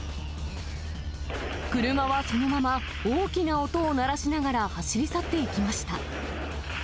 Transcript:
車はそのまま大きな音を鳴らしながら、走り去っていきました。